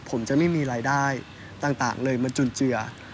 ผมจะไม่มีรายได้ต่างเลยมาจุนเจือ